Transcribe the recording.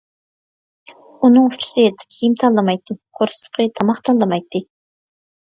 ئۇنىڭ ئۇچىسى كىيىم تاللىمايتتى، قورسىقى تاماق تاللىمايتتى.